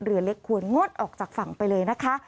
เรือเล็กควรงดออกจากฝั่งไปเลยนะคะ